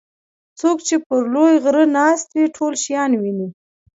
څوک چې پر لوی غره ناست وي ټول شیان ویني.